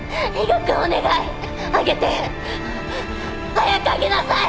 早く上げなさい！